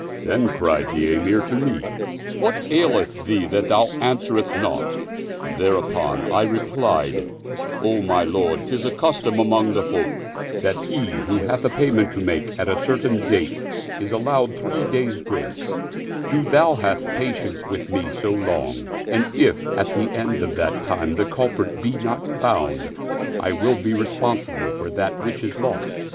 Then cried the Emir to me, "What aileth thee that thou answerest not?" Thereupon I replied, "O my lord, *tis a custom among the folk that* he who hath a payment to make at a certain date is allowed three days' grace : do thou have pa tience with me so long, and if, at the end of that time, the culprit be not found, I will be responsible for that which is lost."